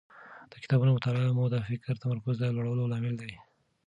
د کتابونو مطالعه مو د فکري تمرکز د لوړولو لامل دی.